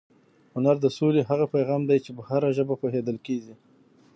هنر د سولې هغه پیغام دی چې په هره ژبه پوهېدل کېږي.